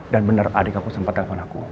dan bener adik aku sempet telepon aku